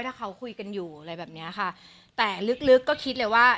ถ้าเขาคุยกันอยู่อะไรแบบเนี้ยค่ะแต่ลึกลึกก็คิดเลยว่า